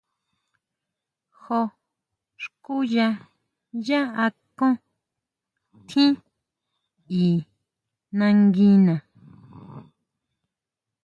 Jó skuya yá akón tjín i nanguina.